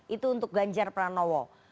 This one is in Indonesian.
itu untuk ganjar pranowo